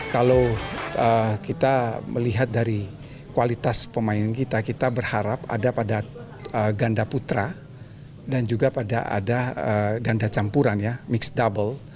kalau kita melihat dari kualitas pemain kita kita berharap ada pada ganda putra dan juga pada ada ganda campuran ya mix double